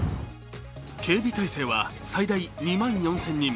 警備態勢は最大２万４０００人。